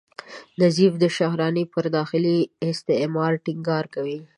نظیف شهراني پر داخلي استعمار ټینګار کوي.